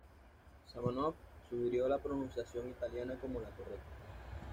Zamenhof sugirió la pronunciación italiana como la correcta.